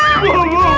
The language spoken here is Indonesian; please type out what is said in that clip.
aduh aduh aduh